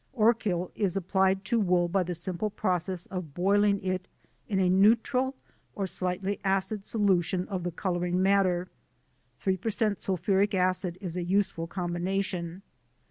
Orchil is applied to wool by the simple process of boiling it in a neutral or slightly acid solution of the colouring matter. 3% Sulphuric acid is a useful combination.